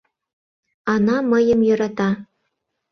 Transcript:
Ана мыйым йӧрата.